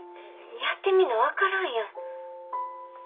やってみな分からんやん。